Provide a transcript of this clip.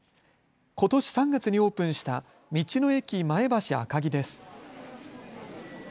ことし３月にオープンした道の駅まえばし赤城です。